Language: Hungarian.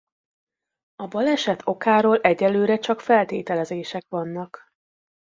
A baleset okáról egyelőre csak feltételezések vannak.